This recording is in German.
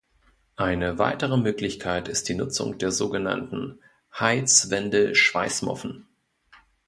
Eine weitere Möglichkeit ist die Nutzung der sogenannten Heizwendel-Schweißmuffen.